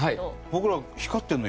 僕ら光ってんの？